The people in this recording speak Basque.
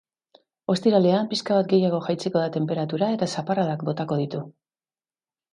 Ostiralean pixka bat gehiago jaitsiko da tenperatura eta zaparradak botako ditu.